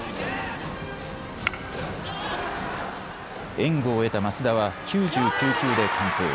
援護を得た升田は９９球で完封。